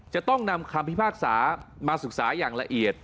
จะต้องนำคำพิพากษามาศึกษาอย่างละเอียด